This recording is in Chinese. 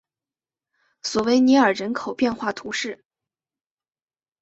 索韦尔尼人口变化图示